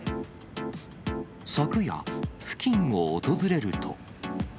昨夜、付近を訪れると。